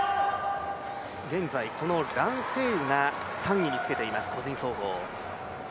現在、この蘭星宇が３位につけています、個人総合。